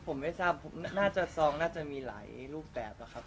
ผมไม่ทราบผมน่าจะซองน่าจะมีหลายรูปแบบนะครับ